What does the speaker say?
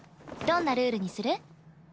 どんなルールにする？